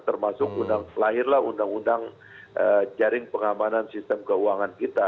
termasuk lahirlah undang undang jaring pengamanan sistem keuangan kita